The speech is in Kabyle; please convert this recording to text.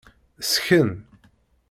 Sken.